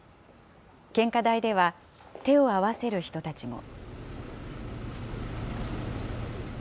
献花台では、手を合わせる人たちも。